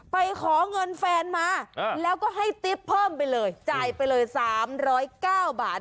ไปขอเงินแฟนมาแล้วก็ให้ติ๊บเพิ่มไปเลยจ่ายไปเลย๓๐๙บาท